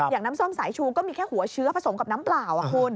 อย่างน้ำส้มสายชูก็มีแค่หัวเชื้อผสมกับน้ำเปล่าคุณ